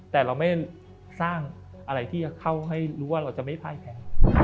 แต่เราไม่สร้างอะไรที่จะเข้าให้รู้ว่าเราจะไม่พ่ายแพ้